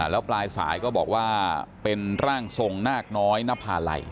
แล้วปลายสายก็บอกว่าเป็นร่างทรงนาคน้อยนภาลัย